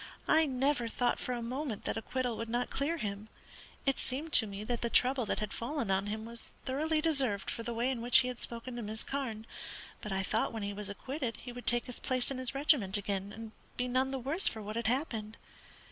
I never thought for a moment that acquittal would not clear him. It seemed to me that the trouble that had fallen on him was thoroughly deserved for the way in which he had spoken to Miss Carne; but I thought when he was acquitted he would take his place in his regiment again, and be none the worse for what had happened.